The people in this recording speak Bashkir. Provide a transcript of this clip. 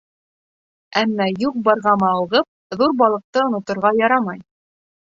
Әммә юҡ-барға мауығып, ҙур балыҡты оноторға ярамай.